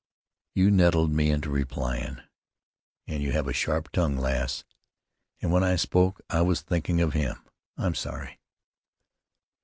"You nettled me into replyin'. You have a sharp tongue, lass, and when I spoke I was thinkin' of him. I'm sorry."